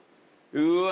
うわ。